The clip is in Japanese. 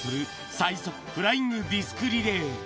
最速フライングディスクリレー。